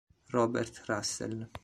Robert Russell